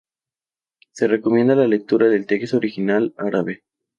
Se recomienda la lectura del texto original árabe.